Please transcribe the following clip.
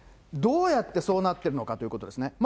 どうやってそうなってるのかということですね。